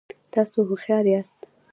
تاسو هوښیار یاست